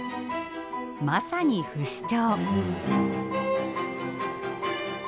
まさに不死鳥。